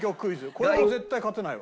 これも絶対勝てないわ。